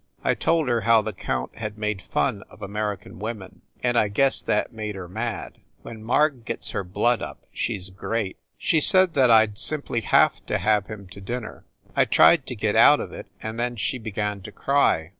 I told her how the count had made fun of American women, and I guess that made her mad. When Marg gets her blood up, she s great. She said that I d simply have to have him to dinner. I tried to get out of it, and then she began to cry.